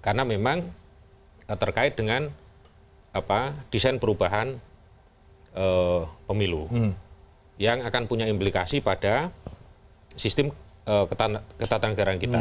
karena memang terkait dengan desain perubahan pemilu yang akan punya implikasi pada sistem ketatanagaran kita